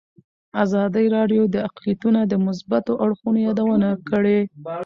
ازادي راډیو د اقلیتونه د مثبتو اړخونو یادونه کړې.